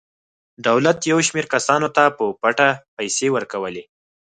دولت یو شمېر کسانو ته په پټه پیسې ورکولې.